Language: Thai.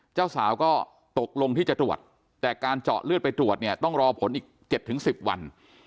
เจ้าสาวก็ตกลงที่จะตรวจแต่การเจาะเลือดไปตรวจเนี่ยต้องรอผลอีก๗๑๐วัน